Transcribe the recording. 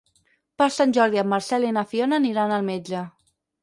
Per Sant Jordi en Marcel i na Fiona aniran al metge.